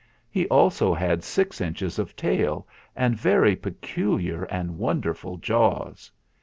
He also had six inches of tail and very peculiar and wonderful jaws.